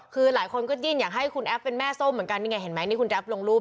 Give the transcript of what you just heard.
คือหลายคนก็จิ้นอยากให้คุณแอฟเป็นแม่ส้มเหมือนกันนี่ไงเห็นไหมนี่คุณแป๊บลงรูป